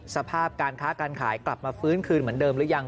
สภาพการค้าการขายกลับมาฟื้นคืนเหมือนเดิมหรือยัง